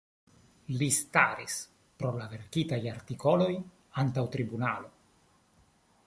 Li staris pro la verkitaj artikoloj antaŭ tribunalo.